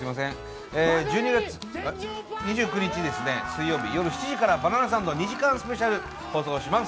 １２月２９日水曜日、夜７時から「バナナサンド２時間スペシャル」を放送します。